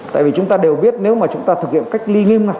tại vì chúng ta đều biết nếu mà chúng ta thực hiện cách ly nghiêm ngặt